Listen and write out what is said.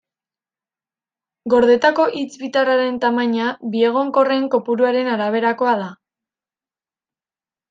Gordetako hitz bitarraren tamaina biegonkorren kopuruaren araberakoa da.